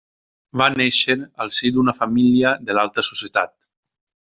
Va néixer al si d'una família de l'alta societat.